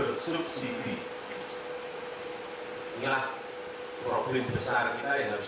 jadi ini adalah problem besar kita yang harus diatasi